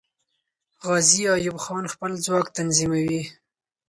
غازي ایوب خان خپل ځواک تنظیموي.